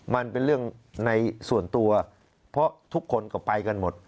มันเป็นเรื่องในส่วนตัวเพราะทุกคนก็ไปกันหมด